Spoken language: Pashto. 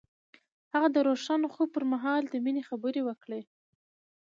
هغه د روښانه خوب پر مهال د مینې خبرې وکړې.